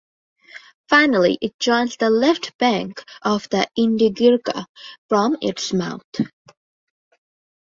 Finally it joins the left bank of the Indigirka from its mouth.